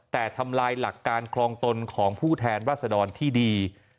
แต่ทำลายหลักการคลองตนของผู้แทนรัศดรที่ดี